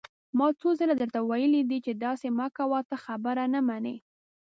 ما څو ځله درته ويلي دي چې داسې مه کوه، ته خبره نه منې!